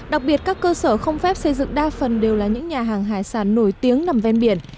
đặc biệt các cơ sở không phép xây dựng đa phần đều là những nhà hàng hải sản nổi tiếng nằm ven biển